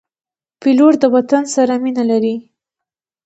پیلوټ د وطن سره مینه لري.